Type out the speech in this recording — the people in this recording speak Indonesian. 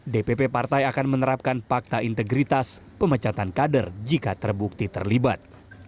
dpp partai akan menerapkan pakta integritas pemecatan kader jika terbukti terlibat